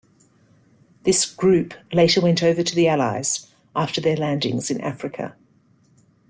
This "groupe" later went over to the Allies after their landings in Africa.